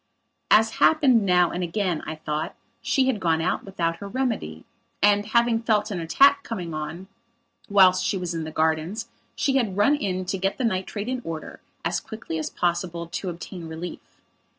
As happened now and again, I thought, she had gone out without her remedy and, having felt an attack coming on whilst she was in the gardens, she had run in to get the nitrate in order, as quickly as possible, to obtain relief.